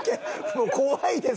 もう怖いです。